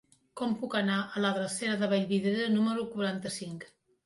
Com puc anar a la drecera de Vallvidrera número quaranta-cinc?